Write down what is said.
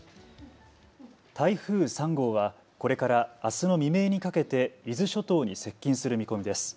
台風３号はこれからあすの未明にかけて伊豆諸島に接近する見込みです。